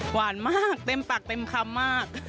หวานมากเต็มปากเต็มคำมาก